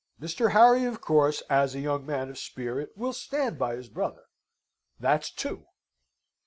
Mr. Harry, of course, as a young man of spirit, will stand by his brother. That's two.